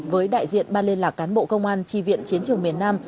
với đại diện ban liên lạc cán bộ công an tri viện chiến trường miền nam